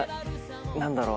何だろう？